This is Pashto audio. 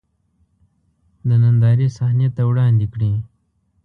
د نندارې صحنې ته وړاندې کړي.